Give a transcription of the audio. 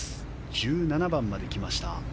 １７番まできました。